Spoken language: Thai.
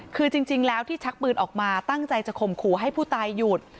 คือจริงแล้วที่ชักปืนออกมาตั้งใจจะข่มขู่ให้ผู้ตายหยุด